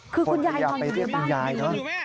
คุณยายต้องไปบ้าน